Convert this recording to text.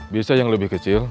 bisa yang lebih kecil